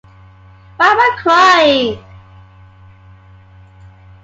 Why am I crying?